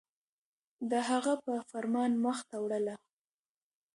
د هغه په فرمان مخ ته وړله